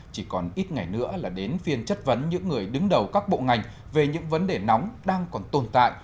chỉ còn ít ngày nữa là đến phiên chất vấn những người đứng đầu các bộ ngành về những vấn đề nóng đang còn tồn tại